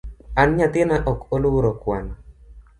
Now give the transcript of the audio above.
An nyathina ok oluoro kwano